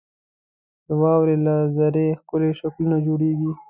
• د واورې له ذرې ښکلي شکلونه جوړېږي.